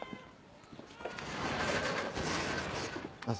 どうぞ。